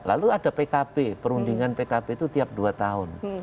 lalu ada pkb perundingan pkb itu tiap dua tahun